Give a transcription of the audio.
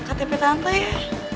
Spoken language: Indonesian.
ktp santa ya